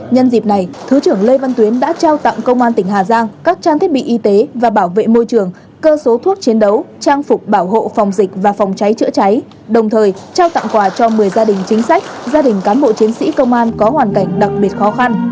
nhân dịp này thứ trưởng lê văn tuyến đã trao tặng công an tỉnh hà giang các trang thiết bị y tế và bảo vệ môi trường cơ số thuốc chiến đấu trang phục bảo hộ phòng dịch và phòng cháy chữa cháy đồng thời trao tặng quà cho một mươi gia đình chính sách gia đình cán bộ chiến sĩ công an có hoàn cảnh đặc biệt khó khăn